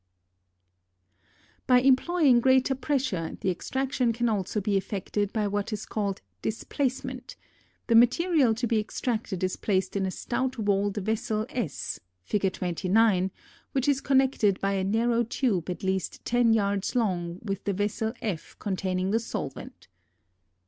[Illustration: FIG. 29.] By employing greater pressure the extraction can also be effected by what is called displacement; the material to be extracted is placed in a stout walled vessel S (Fig. 29) which is connected by a narrow tube at least ten yards long with the vessel F containing the solvent.